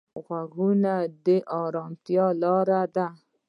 غوږونه د ارامتیا لاره ده